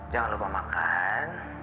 jangan lupa makan